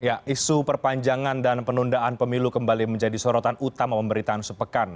ya isu perpanjangan dan penundaan pemilu kembali menjadi sorotan utama pemberitaan sepekan